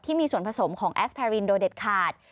ที่มีส่วนผสมของแอสแพรรีนโดยเด็ดขาด